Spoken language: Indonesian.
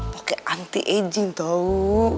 pakai anti aging tahu